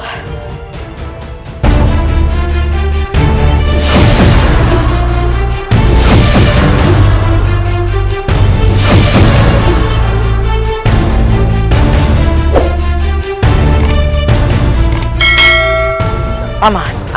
lihat yang aku lakukan